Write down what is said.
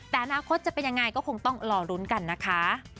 แต่อนาคตจะเป็นยังไงก็คงต้องรอลุ้นกันนะคะ